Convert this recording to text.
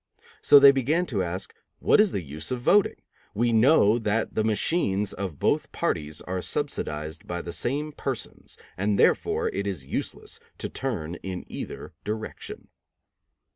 So they began to ask: "What is the use of voting? We know that the machines of both parties are subsidized by the same persons, and therefore it is useless to turn in either direction."